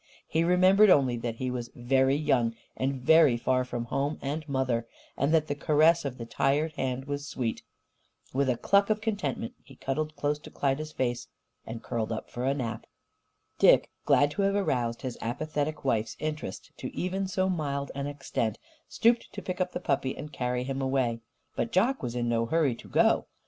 He remembered only that he was very young and very far from home and mother, and that the caress of the tired hand was sweet. With a cluck of contentment, he cuddled close to Klyda's face and curled up for a nap. Dick, glad to have aroused his apathetic wife's interest to even so mild an extent, stooped to pick up the puppy and carry him away. But Jock was in no hurry to go.